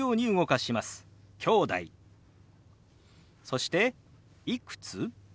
そして「いくつ？」。